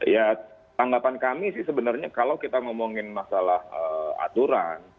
ya tanggapan kami sih sebenarnya kalau kita ngomongin masalah aturan